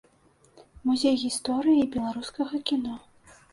Музей гісторыі беларускага кіно.